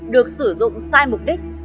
được sử dụng sai mục đích